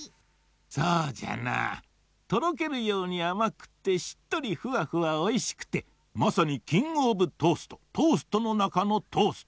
そうじゃなぁとろけるようにあまくってしっとりフワフワおいしくてまさにキングオブトーストトーストのなかのトースト。